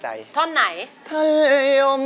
ไเฮง